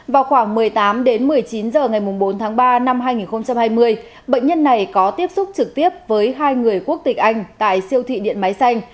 vào khoảng một mươi tám đến một mươi chín h ngày bốn tháng ba năm hai nghìn hai mươi bệnh nhân này có tiếp xúc trực tiếp với hai người quốc tịch anh tại siêu thị điện máy xanh